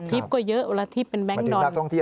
ทริปก็เยอะละที่ทริปเป็นแบงก์ดอน